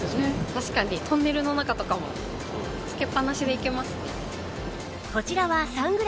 確かにトンネルの中とかもつけっぱなしでいけますね。